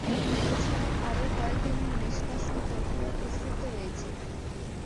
এছাড়াও আরও কয়েক ধরনের নিষ্কাশন প্রক্রিয়ার অস্তিত্ব রয়েছে।